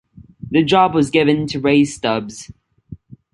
The job was given to Ray Stubbs.